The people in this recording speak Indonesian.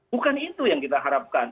bukan itu yang kita harapkan